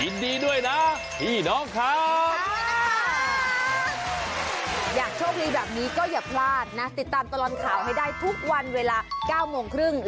พี่น้องครับอยากโชคดีแบบนี้ก็อย่าพลาดนะติดตามตลอดข่าวให้ได้ทุกวันเวลา๙โมงครึ่ง